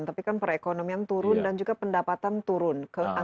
tapi kan perekonomian turun dan juga pendapatan turun